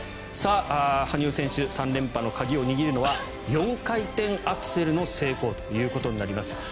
羽生選手、３連覇の鍵を握るのは４回転アクセルの成功となります。